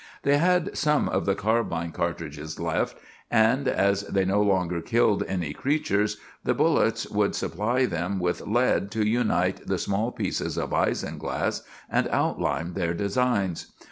They had some of the carbine cartridges left; and as they no longer killed any creatures, the bullets would supply them with lead to unite the small pieces of isinglass and outline their designs.